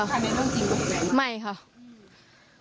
ค่ะแต่ไม่ใช่เรื่องจริงค่ะ